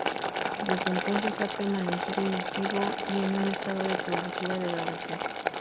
Desde entonces ha permanecido inactivo y en un estado de progresiva degradación.